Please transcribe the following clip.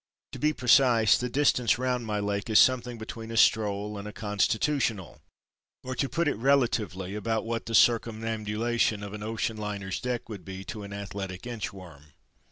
To be precise, the distance round my Lake is something between a stroll and a "constitutional"—or to put it relatively about what the circumambulation of an ocean liner's deck would be to an athletic inch worm.